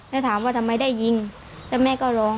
แล้วถามว่าทำไมได้ยิงแล้วแม่ก็ร้อง